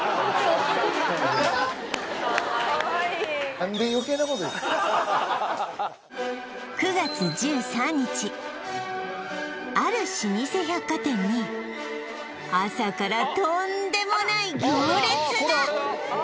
何で余計なことをある老舗百貨店に朝からとんでもない行列が！